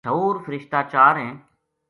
مشہور فرشتہ چار ہیں۔